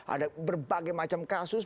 ada berbagai macam kasus